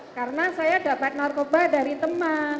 karena saya dapat narkoba dari teman